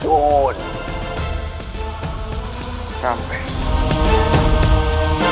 untuk mengembalikan kekuatanku